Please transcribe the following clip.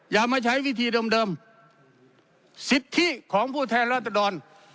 อย่ามาใช้วิธีเดิมสิทธิของผู้แทนราษดร